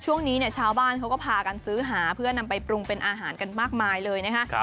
ช่วงนี้เนี่ยชาวบ้านเขาก็พากันซื้อหาเพื่อนำไปปรุงเป็นอาหารกันมากมายเลยนะคะ